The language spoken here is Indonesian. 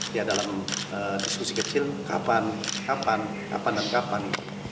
dia dalam diskusi kecil kapan kapan dan kapan